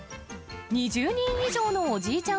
２０人以上のおじいちゃん